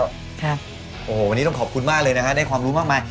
วันนี้ต้องขอบคุณมากเลยนะครับได้ความรู้มากมาย